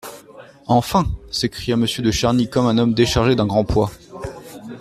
Enfin ! s'écria Monsieur de Charny comme un homme déchargé d'un grand poids.